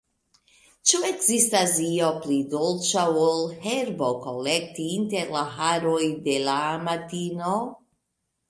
Ĉu ekzistas io pli dolĉa, ol herbokolekti inter la haroj de la amatino?